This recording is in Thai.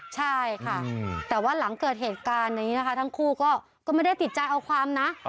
ใช่ค่ะแต่ว่าหลังเกิดเหตุการณ์นี้นะคะทั้งคู่ก็ไม่ได้ติดใจเอาความนะ